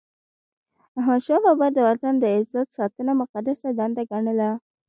احمدشاه بابا د وطن د عزت ساتنه مقدسه دنده ګڼله.